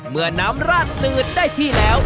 เมื่อน้ำราดตื่นได้ที่แล้ว